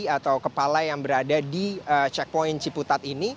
atau kepala yang berada di checkpoint ciputat ini